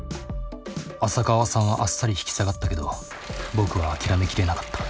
浅川さんはあっさり引き下がったけど僕は諦めきれなかった。